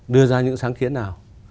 đưa ra những sáng kiến nào